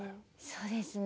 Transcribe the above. そうですね。